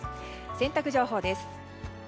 洗濯情報です。